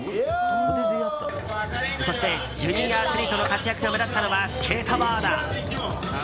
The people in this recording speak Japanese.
そして、ジュニアアスリートの活躍が目立ったのはスケートボード。